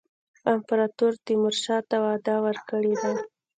امپراطور تیمورشاه ته وعده ورکړې ده.